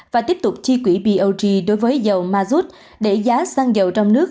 và tiếp tục chi quỹ pog đối với dầu mazut để giá xăng dầu trong nước